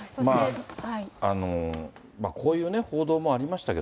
こういう報道もありましたけ